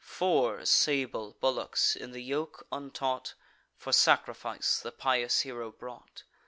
Four sable bullocks, in the yoke untaught, For sacrifice the pious hero brought.